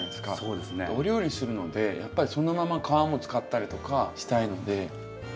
お料理するのでやっぱりそのまま皮も使ったりとかしたいので。